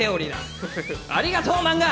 フフフありがとう漫画！」。